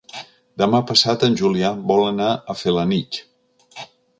Demà passat en Julià vol anar a Felanitx.